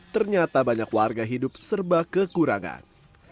ternyata banyak warga hidup serba kekurangan